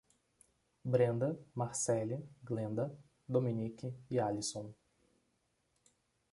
Brenda, Marcele, Glenda, Dominique e Alison